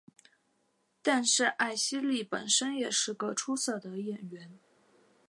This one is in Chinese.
但是艾希莉本身也是个出色的演员。